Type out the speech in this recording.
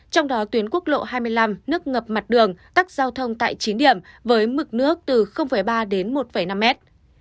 trong đó tuyến quốc lộ hai mươi năm nước ngập mặt đường tắc giao thông tại chín điểm với mực nước từ ba đến một năm mét